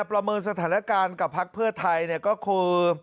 ประเมินสถานการณ์กับพักเพื่อไทยก็คือ